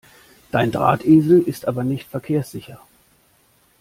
Dein Drahtesel ist aber nicht verkehrssicher!